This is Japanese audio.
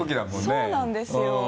そうなんですよ。